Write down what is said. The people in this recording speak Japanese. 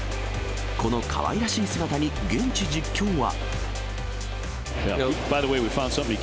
このかわいらしい姿に、現地実況は。